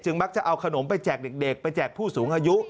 มักจะเอาขนมไปแจกเด็กไปแจกผู้สูงอายุ